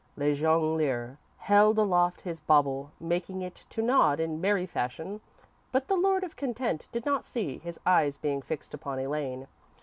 Le Jongleur held aloft his bauble, making it to nod in merry fashion, but the Lord of Content did not see, his eyes being fixed upon Elaine.